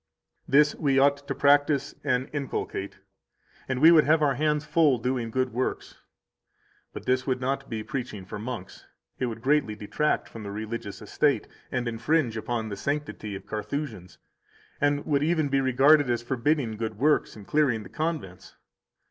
196 This we ought to practise and inculcate, and we would have our hands full doing good works. 197 But this would not be preaching for monks; it would greatly detract from the religious estate, and infringe upon the sanctity of Carthusians, and would even be regarded as forbidding good works and clearing the convents.